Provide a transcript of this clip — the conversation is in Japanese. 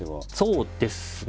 そうですね。